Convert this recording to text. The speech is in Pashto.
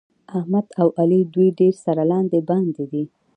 احمد او علي دوی ډېر سره لاندې باندې دي.